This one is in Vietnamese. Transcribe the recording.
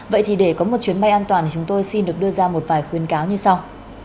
vậy thì để có một chuyến bay an toàn thì chúng tôi xin được đưa ra một vài khuyến cáo như sau